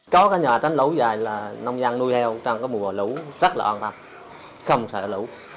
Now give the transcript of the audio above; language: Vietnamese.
có cái nhà tránh lũ dài là nông dân nuôi heo trong cái mùa lũ rất là an tâm không sợ lũ